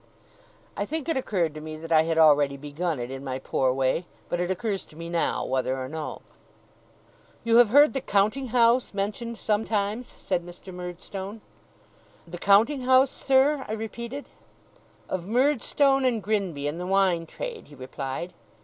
I think it occurred to me that I had already begun it, in my poor way: but it occurs to me now, whether or no. 'You have heard the "counting house" mentioned sometimes,' said Mr. Murdstone. 'The counting house, sir?' I repeated. 'Of Murdstone and Grinby, in the wine trade,' he replied.